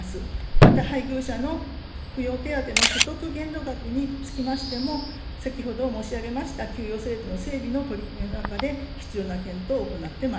また配偶者の扶養手当の所得限度額につきましても、先ほど申し上げました給与制度の整備の取り組みの中で必要な検討